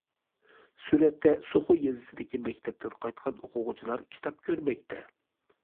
سۈرەتتە: سوخۇ يېزىسىدىكى مەكتەپتىن قايتقان ئوقۇغۇچىلار كىتاب كۆرمەكتە.